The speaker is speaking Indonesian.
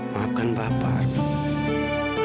maafkan bapak arman